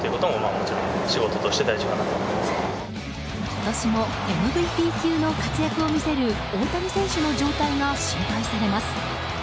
今年もＭＶＰ級の活躍を見せる大谷選手の状態が心配されます。